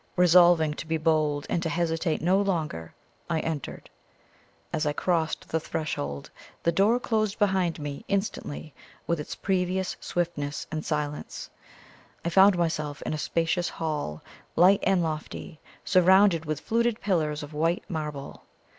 Resolving to be bold, and to hesitate no longer, I entered. As I crossed the threshold, the door closed behind me instantly with its previous swiftness and silence. I found myself in a spacious hall, light and lofty, surrounded with fluted pillars of white marble.